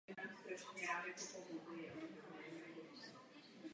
Potravu vyhledává zejména na zemi.